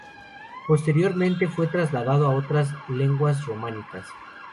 Posteriormente fue trasladado a otras lenguas románicas.